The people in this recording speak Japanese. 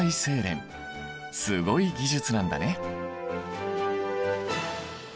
すごい技術なんだね。